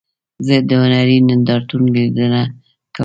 زه د هنري نندارتون لیدنه کوم.